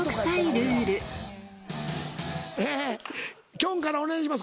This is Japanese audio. きょんからお願いします